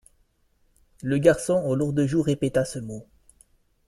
Le garçon aux lourdes joues répéta ce mot.